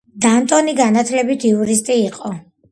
დანტონი განათლებით იურისტი იყო.